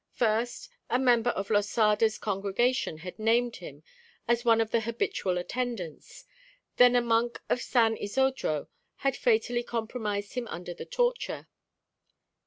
First, a member of Losada's congregation had named him as one of the habitual attendants; then a monk of San Isodro had fatally compromised him under the torture.